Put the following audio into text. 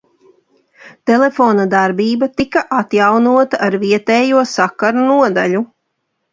Telefona darbība tika atjaunota ar vietējo sakaru nodaļu.